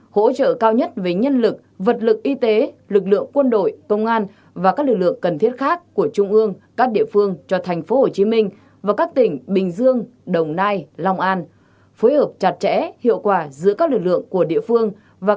hai hỗ trợ cao nhất với nhân lực vật lực y tế lực lượng quân đội công an và các lực lượng cần thiết khác của trung ương các địa phương